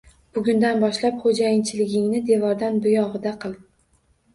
Bugundan boshlab xoʻjayinchiligingni devordan buyogʻida qil.